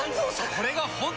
これが本当の。